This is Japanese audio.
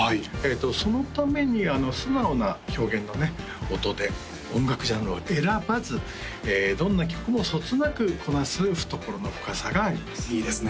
そのために素直な表現のね音で音楽ジャンルを選ばずどんな曲もそつなくこなす懐の深さがありますいいですね